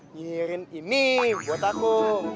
nyihirin ini buat aku